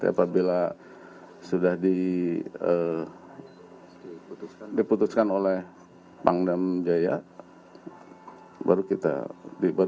nanti apabila sudah diputuskan oleh pangdam jaya baru kita baru didisposal